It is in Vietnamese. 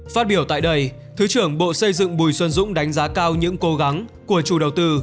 phát biểu tại đây thứ trưởng bộ xây dựng bùi xuân dũng đánh giá cao những cố gắng của chủ đầu tư